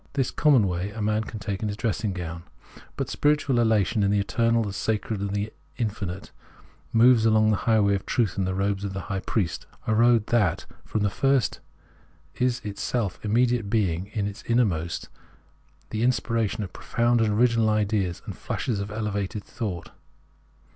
This common way a man can take in his dressing gown. But spiritual elation in the eternal, the sacred, the in finite, moves along the highway of truth in the robes of the high priest — a road, that, from the first, is it self immediate being in its innermost, the inspiration of profound and original ideas and flashes of elevated thought.